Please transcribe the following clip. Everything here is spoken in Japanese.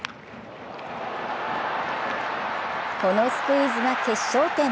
このスクイズが決勝点。